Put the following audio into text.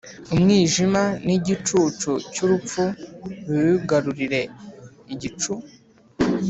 Umwijima n igicucu cy urupfu biwigarurire Igicu